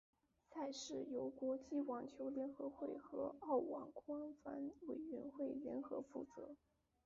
赛事由国际网球联合会和澳网官方委员会联合负责。